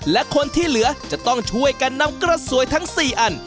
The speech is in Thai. และคนที่เหลือจะต้องช่วยกันนำกระสวยทั้ง๔อัน